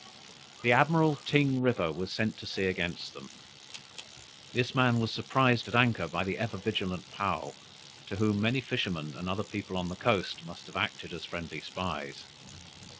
The Admiral Ting River was sent to sea against them. This man was surprised at anchor by the ever vigilant Paou, to whom many fishermen and other people on the coast, must have acted as friendly spies.